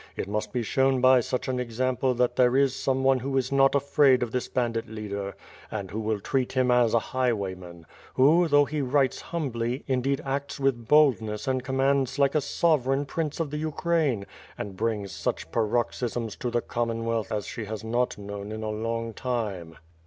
It must be shown by such an example that there is some one who is not afraid of this bandit leader, and who will treat him as a highwayman; who though he writes humbly, indeed acts with boldness and commands like a sovereign prince of the Ukraine, and brings such paroxysms to the Commonwealth as she has not known in a long time."